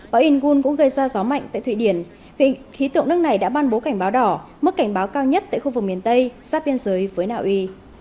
bão ingun cũng gây ra gió mạnh tại thụy điển viện khí tượng nước này đã ban bố cảnh báo đỏ mức cảnh báo cao nhất tại khu vực miền tây giáp biên giới với naui